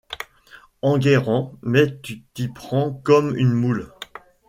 Enguerrand mais tu t'y prends comme une moule.